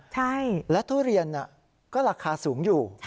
ใช่และทุเรียนก็ราคาสูงอยู่